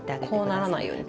こうならないように。